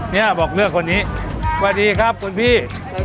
เนี้ยบอกเลือกคนนี้คุณพี่